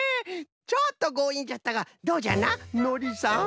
ちょっとごういんじゃったがどうじゃなのりさん？